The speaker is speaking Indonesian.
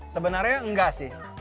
sebenarnya nggak sih